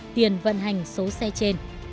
tiền vận hành số xe